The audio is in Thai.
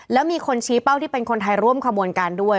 แล้วมีคนชี้เป้าที่เป็นคนไทยร่วมขบวนการด้วย